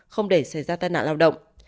không để xảy ra tên nạn lao động